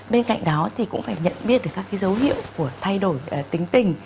bên cạnh đó thì cũng phải nhận biết được các dấu hiệu của thay đổi tính tình